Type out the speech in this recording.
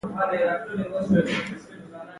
د افراطیت، شرطلبۍ او جګړه مارۍ اور لا هم بل و.